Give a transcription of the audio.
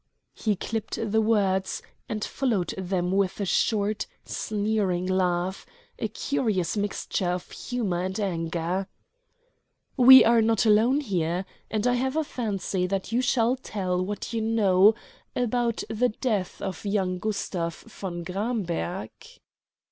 He clipped the words, and followed them with a short, sneering laugh, a curious mixture of humor and anger. "We are not alone here, and I have a fancy that you shall tell what you know about the death of young Gustav von Gramberg."